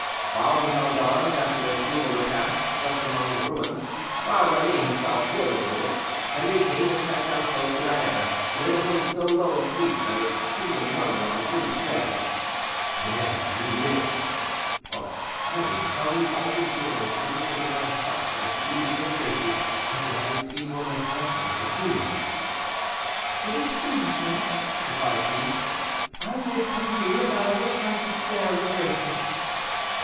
While the gendarmes, after their frugal repast, slept about among the ruins, while Remy himself yielded to it, Henri came and sat down close to Diana, and in a voice so low and sweet that it seemed a murmur of the breeze, said: "Madame, you live. Oh! let me tell you all the joy which overflows my heart when I see you here in safety, after having seen you on the threshold of the tomb." "It is true, monsieur," replied she; "I live through you, and I wish I could say I was grateful."